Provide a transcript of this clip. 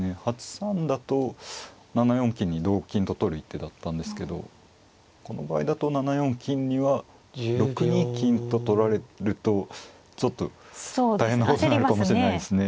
８三だと７四金に同金と取る一手だったんですけどこの場合だと７四金には６二金と取られるとちょっと大変なことになるかもしれないですね。